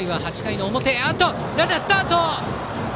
ランナースタート。